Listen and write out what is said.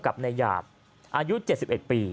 กับนายหยาดอายุ๗๑ปี